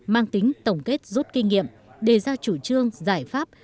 mang tính tổng kết rút kinh nghiệm đề ra chủ trương giải pháp